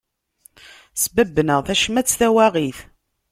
Sbabben-aɣ tacmat, tawaɣit.